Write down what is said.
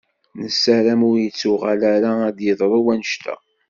Nessaram ur ittuɣal ara ad d-yeḍṛu wannect-a.